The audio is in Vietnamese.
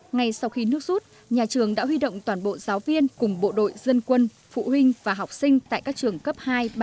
ngay sau khi nước rút nhà trường đã huy động toàn bộ giáo viên cùng bộ đội dân quân phụ huynh và học sinh tại các trường cấp hai ba